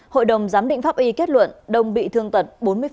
hội đồng giám định pháp y kết luận đông bị thương tật bốn mươi